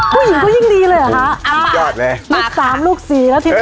ผู้หญิงก็ยิ่งดีเลยหรือครับอ๋อลูก๓ลูก๔แล้วทิ้ง